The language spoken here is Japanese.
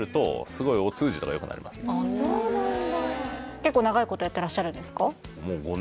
結構長いことやってらっしゃるんですか？